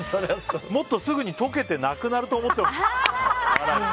もっとすぐに溶けてなくなると思ってました。